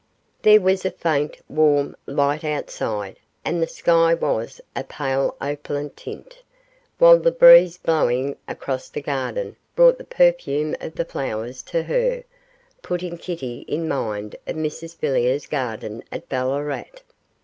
There was a faint, warm, light outside, and the sky was of a pale opaline tint, while the breeze blowing across the garden brought the perfume of the flowers to her, putting Kitty in mind of Mrs Villiers' garden at Ballarat.